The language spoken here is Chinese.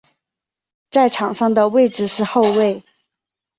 在场上的位置是后卫。